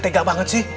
tegak banget sih